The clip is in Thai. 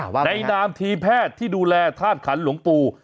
ในนามทีมแพทย์ที่ดูแลธาตุขันหลวงปู่